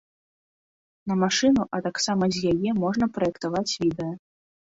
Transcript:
На машыну, а таксама з яе можна праектаваць відэа.